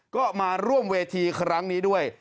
ก็มาร่วมเวทีครั้งนี้ด้วย